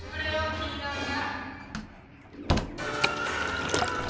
気になんな！